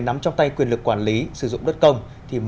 nắm trong tay quyền lực quản lý sử dụng đất công